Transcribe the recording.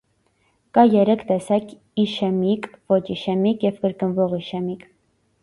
Կա երեք տեսակ՝ իշեմիկ, ոչ իշեմիկ և կրկնվող իշեմիկ։